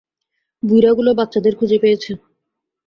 বুইড়াগুলো বাচ্চাদের খুঁজে পেয়েছে!